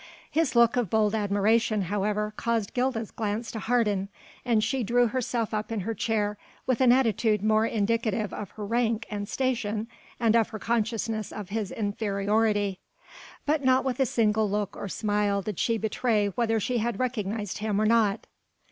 His look of bold admiration, however, caused Gilda's glance to harden, and she drew herself up in her chair in an attitude more indicative of her rank and station and of her consciousness of his inferiority. But not with a single look or smile did she betray whether she had recognized him or not.